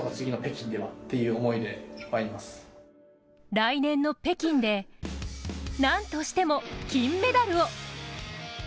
来年の北京で、何としても金メダルを。